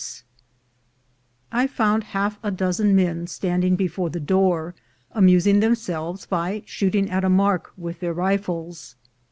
173 174 THE GOLD HUNTERS I found half a dozen men standing before the door, amusing themselves by shooting at a mark with their rifles.